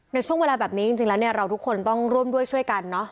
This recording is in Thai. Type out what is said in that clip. ในช่วงเวลาแบบนี้จริงแล้วเนี่ยเราทุกคนต้องร่วมด้วยช่วยกันเนอะ